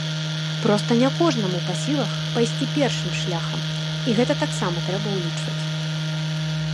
Проста не кожнаму па сілах пайсці першым шляхам і гэта таксама трэба ўлічваць.